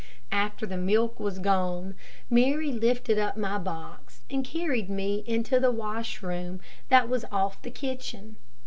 After the milk was gone, Mary lifted up my box, and carried me into the washroom that was off the kitchen.